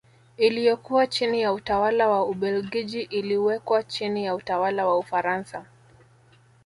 Iliyokuwa chini ya utawala wa Ubelgiji iliwekwa chini ya utawala wa Ufaransa